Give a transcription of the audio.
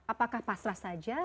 apakah pasrah saja